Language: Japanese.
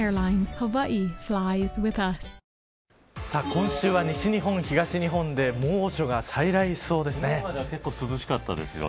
今週は西日本、東日本で猛暑が再来しそうですね。